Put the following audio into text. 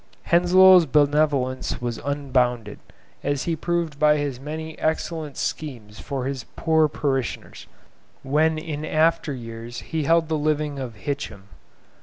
Henslow's benevolence was unbounded, as he proved by his many excellent schemes for his poor parishioners, when in after years he held the living of Hitcham.